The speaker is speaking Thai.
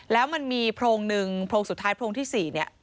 แล้วมันมีโพรงหนึ่งโพรงสุดท้ายโพรงที่๔เนี่ย